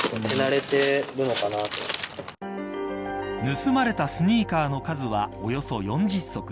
盗まれたスニーカーの数はおよそ４０足。